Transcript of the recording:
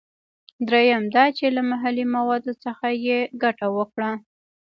دریم دا چې له محلي موادو څخه یې ګټه وکړه.